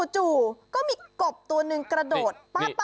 จู่ก็มีกบตัวหนึ่งกระโดด